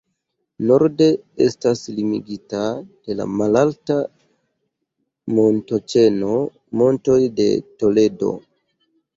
Norde estas limigita de la malalta montoĉeno Montoj de Toledo.